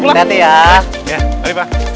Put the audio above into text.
baik assalamualaikum warahmatullahi wabarakatuh